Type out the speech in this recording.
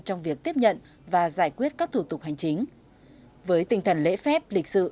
trong việc tiếp nhận và giải quyết các thủ tục hành chính với tinh thần lễ phép lịch sự